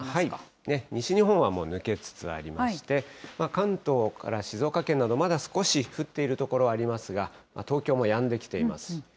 西日本はもう抜けつつありまして、関東から静岡県など、まだ少し降っている所ありますが、東京もやんできています。